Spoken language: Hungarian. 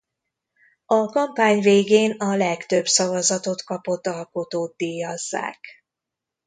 A kampány végén a legtöbb szavazatot kapott alkotót díjazzák.